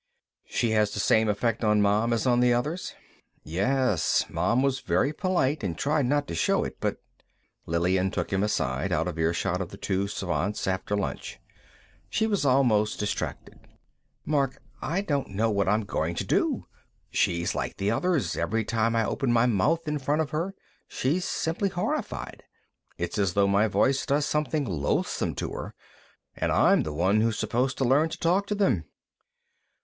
"She has the same effect on Mom as on the others?" "Yes. Mom was very polite and tried not to show it, but " Lillian took him aside, out of earshot of the two Svants, after lunch. She was almost distracted. "Mark, I don't know what I'm going to do. She's like the others. Every time I open my mouth in front of her, she's simply horrified. It's as though my voice does something loathsome to her. And I'm the one who's supposed to learn to talk to them."